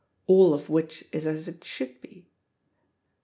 All of which is as it should be.